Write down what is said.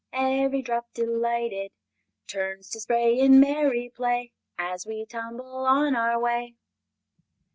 Ev'ry drop, delighted, Turns to spray in merry play As we tumble on our way!"